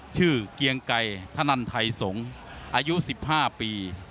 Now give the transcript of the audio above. เกียงไก่ธนันไทยสงศ์อายุ๑๕ปี